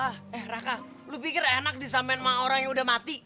eh raka lu pikir enak disamain sama orang yang udah mati